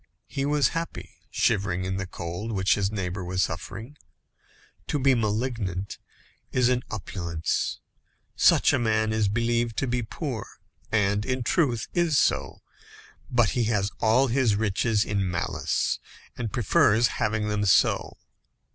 He was happy, shivering in the cold which his neighbour was suffering. To be malignant is an opulence. Such a man is believed to be poor, and, in truth, is so; but he has all his riches in malice, and prefers having them so.